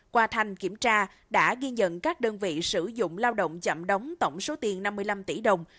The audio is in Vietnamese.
qua thanh kiểm tra đã ghi nhận các đơn vị sử dụng lao động chậm đóng tổng số tiền năm mươi năm tỷ đồng